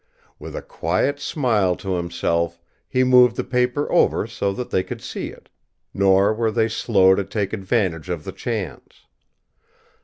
With a quiet smile to himself he moved the paper over so that they could see it, nor were they slow to take advantage of the chance.